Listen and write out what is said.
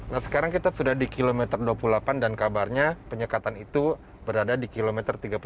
nah sekarang kita sudah di kilometer dua puluh delapan dan kabarnya penyekatan itu berada di kilometer tiga puluh